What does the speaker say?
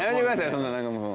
そんな何かもう。